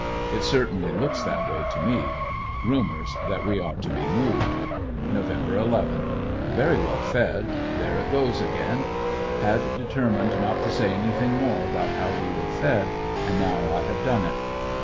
It certainly looks that way to me. Rumors that we are to be moved. Nov. 11. — Very well fed. There it goes again. Had determined not to say anything more about how we were fed, and now I have done it.